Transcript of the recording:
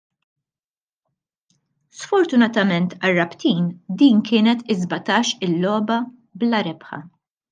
Sfortunatament għar-Rabtin din kienet is-sbatax-il logħba bla rebħa.